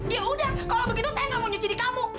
yaudah kalau begitu saya gak mau nyuci di kamu